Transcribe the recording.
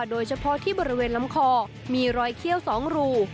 โดยเฉพาะที่บริเวณลำคอมีรอยเขี้ยว๒รู